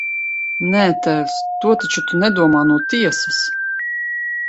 Nē, tēvs, to taču tu nedomā no tiesas!